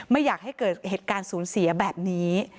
ไม่อยากให้เกิดเหตุการณ์สูญเสียแบบนี้